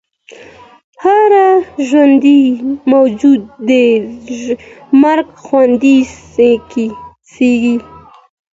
هر ژوندی موجود د مرګ خوند څکي.